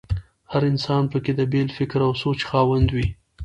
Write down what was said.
هر انسان په کې د بېل فکر او سوچ خاوند وي.